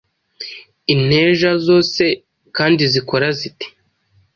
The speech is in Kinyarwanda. Inteja zo se kandi zikora zite